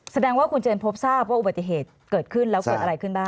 แสดงว่าคุณเจนพบทราบว่าอุบัติเหตุเกิดขึ้นแล้วเกิดอะไรขึ้นบ้าง